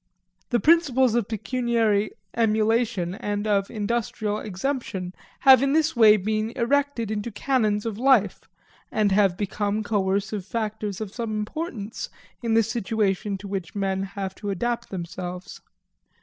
The principles of pecuniary emulation and of industrial exemption have in this way been erected into canons of life, and have become coercive factors of some importance in the situation to which men have to adapt themselves.